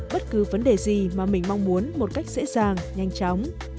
bất cứ vấn đề gì mà mình mong muốn một cách dễ dàng nhanh chóng